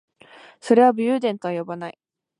それは武勇伝とは呼ばない